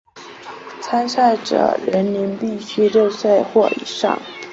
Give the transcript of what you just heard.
参赛者年龄必须六岁或以上。